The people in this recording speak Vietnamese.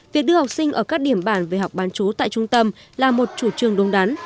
việc đưa học sinh ở các điểm bản về học bán chú tại trung tâm là một chủ trương đúng đắn